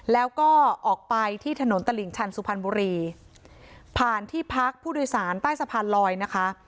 แล้วก็ออกไปที่ถนนตลิ่งชันสุพรรณบุรีผ่านที่พักผู้โดยสารใต้สะพานลอยนะคะ